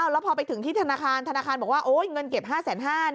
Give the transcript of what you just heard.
แล้วพอไปถึงที่ธนาคารธนาคารบอกว่าเงินเก็บ๕๕๐๐บาท